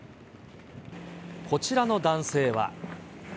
こちらの男性は。